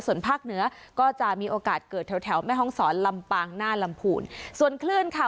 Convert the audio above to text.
ส่วนภาคเหนือก็จะมีโอกาสเกิดแถวแถวแม่ห้องศรลำปางหน้าลำพูนส่วนคลื่นค่ะ